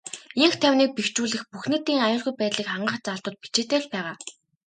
Энх тайвныг бэхжүүлэх, бүх нийтийн аюулгүй байдлыг хангах заалтууд бичээтэй л байгаа.